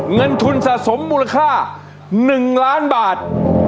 เงินทุนสะสมมูลค่า๑ล้านบาท